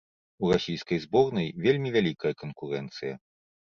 У расійскай зборнай вельмі вялікая канкурэнцыя.